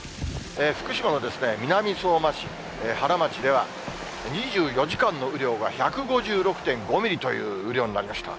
福島はですね、南相馬市原町では、２４時間の雨量が１５６．５ミリという雨量になりました。